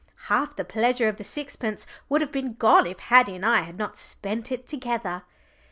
Half the pleasure of the sixpence would have been gone if Haddie and I had not spent it together.